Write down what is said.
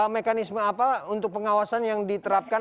mekanisme apa untuk pengawasan yang diterapkan